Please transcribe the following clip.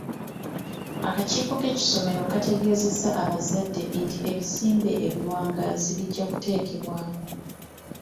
Akakiiko k'essomero kategeezezza abazadde nti ebizimbe eby'obuwangaazi bijja kuteekebwawo.